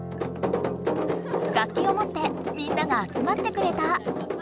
楽きをもってみんながあつまってくれた。